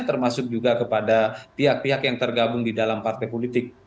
termasuk juga kepada pihak pihak yang tergabung di dalam partai politik